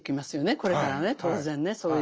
これからね当然ねそういう。